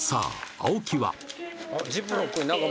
青木は？